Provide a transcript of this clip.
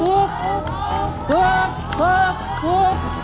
ถูก